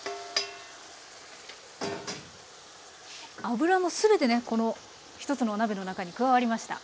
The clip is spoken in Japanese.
脂も全てねこの１つのお鍋の中に加わりました。